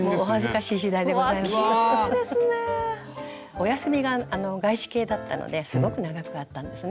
お休みが外資系だったのですごく長くあったんですね。